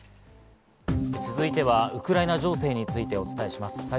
続いては、ウクライナ情勢についてお伝えします。